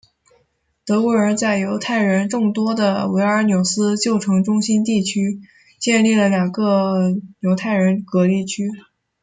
德国人在犹太人众多的维尔纽斯旧城中心地区建立了两个犹太人隔离区。